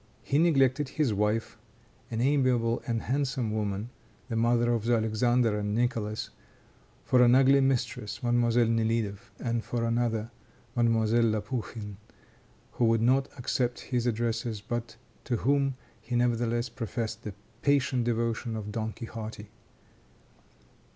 He neglected his wife, an amiable and handsome woman, the mother of Alexander and Nicholas, for an ugly mistress, Mademoiselle Nelidoff, and for another, Mademoiselle Lapukhin, who would not accept his addresses, but to whom he nevertheless professed the patient devotion of Don Quixote.